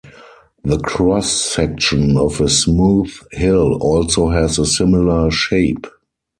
The cross-section of a smooth hill also has a similar shape.